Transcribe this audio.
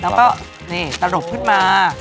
น้ำเปล่านี่ตะดกลบขึ้นมา